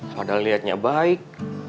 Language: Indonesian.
padahal liatnya baik